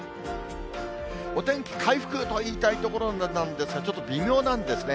お天気回復と言いたいところなんですが、ちょっと微妙なんですね。